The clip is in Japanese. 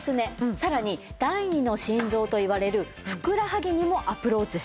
さらに第二の心臓といわれるふくらはぎにもアプローチしてくれます。